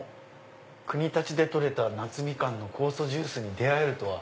国立で採れた夏ミカンの酵素ジュースに出会えるとは。